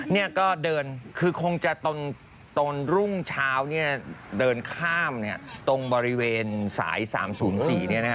เนี่ยก็เดินคือคงจะตอนรุ่งเช้าเนี่ยเดินข้ามตรงบริเวณสาย๓๐๔เนี่ยนะฮะ